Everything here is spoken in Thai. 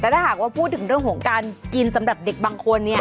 แต่ถ้าหากว่าพูดถึงเรื่องของการกินสำหรับเด็กบางคนเนี่ย